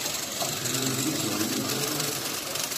Lekdeb d umzeɣyul d atmaten.